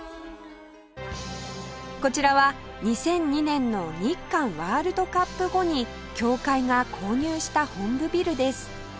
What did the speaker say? こちらは２００２年の日韓ワールドカップ後に協会が購入した本部ビルです